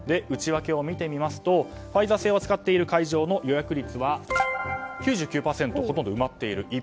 内訳を見てみますとファイザー製を扱っている会場の予約率は９９％でほとんど埋まっている。